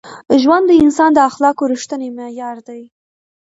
ژوند د انسان د اخلاقو رښتینی معیار دی.